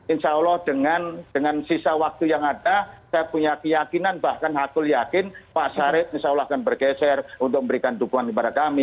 insya allah dengan sisa waktu yang ada saya punya keyakinan bahkan hakul yakin pak sarip insya allah akan bergeser untuk memberikan dukungan kepada kami